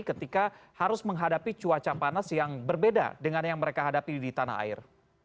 ketika harus menghadapi cuaca panas yang berbeda dengan yang mereka hadapi di tanah air